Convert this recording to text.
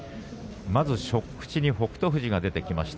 初口に北勝富士が出てきました。